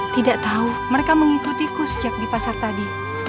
tidak tahu mereka mengikutiku sejak di pasar tadi